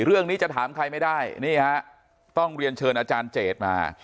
เรื่องนี้จะถามใครไม่ได้นี่ฮะต้องเรียนเชิญอาจารย์เจดมา